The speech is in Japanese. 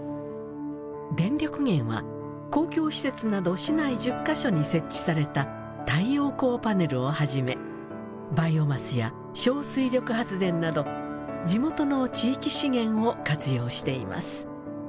電力源は公共施設など市内１０か所に設置された太陽光パネルをはじめバイオマスや小水力発電など地元の地域資源を活用しています。